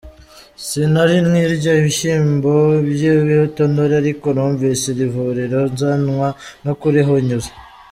Sinari nkirya ibishyimbo by’ibitonore ariko numvise iri vuriro, nzanwa no kurihinyuza.